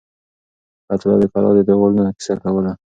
حیات الله د کلا د دیوالونو کیسه کوله.